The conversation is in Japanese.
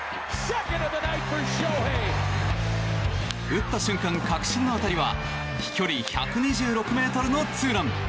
打った瞬間、確信の当たりは飛距離１２６ｍのツーラン！